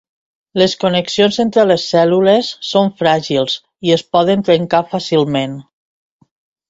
Les connexions entre les cèl·lules són fràgils i es poden trencar fàcilment.